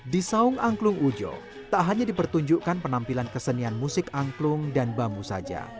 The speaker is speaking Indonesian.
di saung angklung ujo tak hanya dipertunjukkan penampilan kesenian musik angklung dan bambu saja